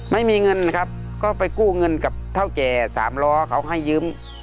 ไม่มีเงินครับก็ไปกู้เงินกับเท่าแก่สามล้อเขาให้ยืม